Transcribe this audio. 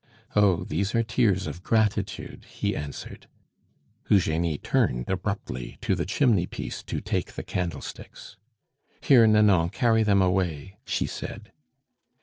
"Oh! these are tears of gratitude," he answered. Eugenie turned abruptly to the chimney piece to take the candlesticks. "Here, Nanon, carry them away!" she said.